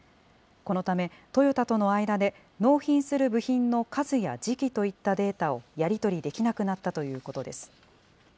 このため、トヨタとの間で、納品する部品の数や時期といったデータをやり取りできなくなったということです。